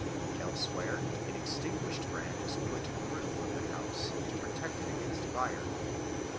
Elsewhere an extinguished brand was put in the roof of the house to protect it against fire.